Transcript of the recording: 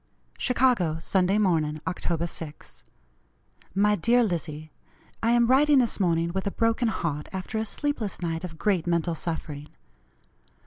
"CHICAGO, Sunday Morning, Oct. 6. "MY DEAR LIZZIE: I am writing this morning with a broken heart after a sleepless night of great mental suffering.